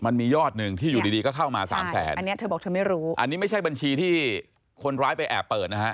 มันมียอดหนึ่งที่อยู่ดีก็เข้ามา๓แสนอันนี้ไม่ใช่บัญชีที่คนร้ายไปแอบเปิดนะครับ